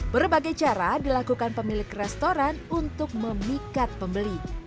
berbagai cara dilakukan pemilik restoran untuk memikat pembeli